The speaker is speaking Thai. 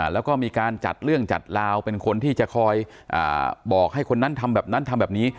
แล้วก็มีการจัดเรื่องจัดลาวเป็นคนที่จะคอยบอกให้คนนั้นทำแบบนั้นทำแบบนี้